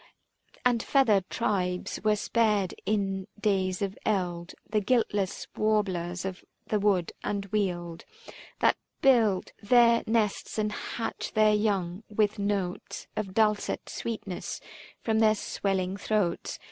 And feathered tribes were spared in days of eld, The guiltless warblers of the wood and weald That build their nests and hatch their young with notes Of dulcet sweetness from their swelling throats.